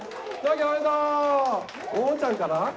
おーちゃんかな？